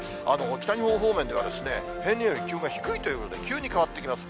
北日本方面では、平年より気温が低いということで急に変わってきます。